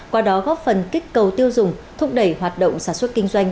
qua đó góp phần kích cầu tiêu dùng thúc đẩy hoạt động sản xuất kinh doanh